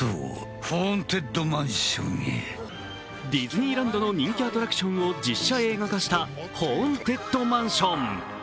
ディズニーランドの人気アトラクションを実写映画化した「ホーンテッドマンション」。